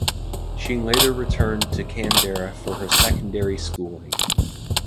She later returned to Canberra for her secondary schooling.